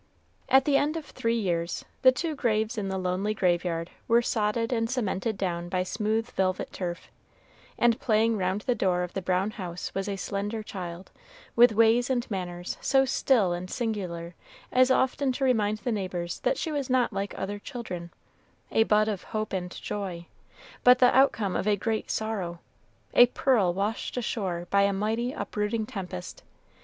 At the end of three years, the two graves in the lonely graveyard were sodded and cemented down by smooth velvet turf, and playing round the door of the brown houses was a slender child, with ways and manners so still and singular as often to remind the neighbors that she was not like other children, a bud of hope and joy, but the outcome of a great sorrow, a pearl washed ashore by a mighty, uprooting tempest.